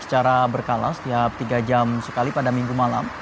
secara berkala setiap tiga jam sekali pada minggu malam